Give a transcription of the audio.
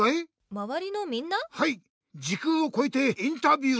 はい時空をこえてインタビュー！